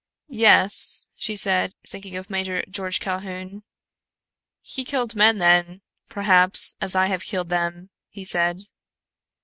"Yes," she said, thinking of Major George Calhoun. "He killed men then, perhaps, as I have killed them," he said.